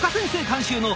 監修の］